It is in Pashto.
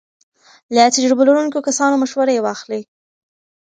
له تجربو لرونکو کسانو مشورې واخلئ.